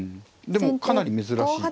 でもかなり珍しい。